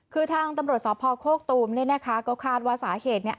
คือทางตำรวจสพโคกตูมเนี่ยนะคะก็คาดว่าสาเหตุเนี่ย